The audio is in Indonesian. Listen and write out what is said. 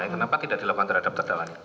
kenapa tidak dilakukan terhadap terdakwanya